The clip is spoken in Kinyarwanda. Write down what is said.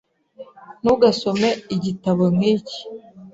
Ntugasome igitabo nkiki.